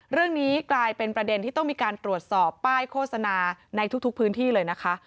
เรื่องนี้กลายเป็นประเด็นที่ต้องมีการตรวจสอบป้ายโฆษณาในทุกพื้นที่เลยนะคะ